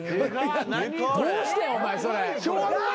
どうしてんお前それ。